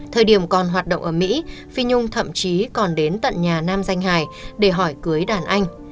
thời điểm còn hoạt động ở mỹ phi nhung thậm chí còn đến tận nhà nam danh hải để hỏi cưới đàn anh